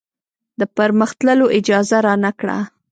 د پرمخ تللو اجازه رانه کړه.